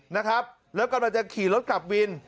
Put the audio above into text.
นะครับแล้วกำลังจะขี่รถกลับวิน